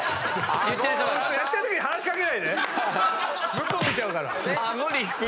向こう見ちゃうから。